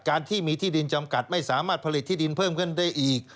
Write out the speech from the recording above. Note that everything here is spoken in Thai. การที่มีที่ดินจำกัดไม่สามารถผลิตที่ดินเพิ่มขึ้นได้อีก